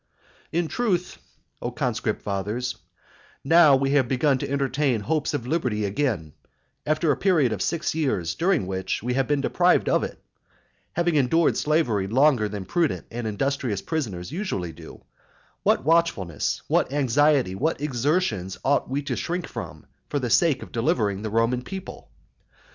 XI. In truth, O conscript fathers, now we have begun to entertain hopes of liberty again, after a period of six years, during which we have been deprived of it, having endured slavery longer than prudent and industrious prisoners usually do, what watchfulness, what anxiety, what exertions ought we to shrink from, for the sake of delivering the Roman people?